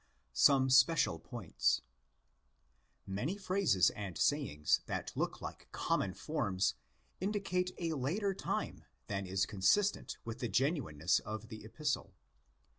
Some Special Points. Many phrases and sayings that look like common forms indicate a later time than is consistent with the genuineness of the Epistle?